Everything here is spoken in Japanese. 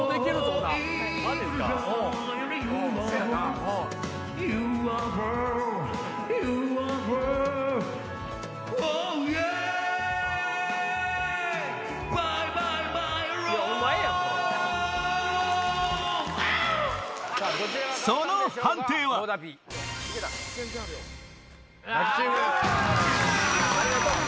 これ。ありがとう。